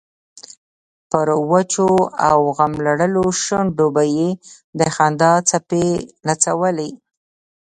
پر وچو او غم لړلو شونډو به یې د خندا څپې نڅولې.